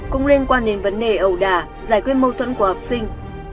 cũng liên quan đến vấn đề ẩu đà giải quyết mâu thuẫn của học sinh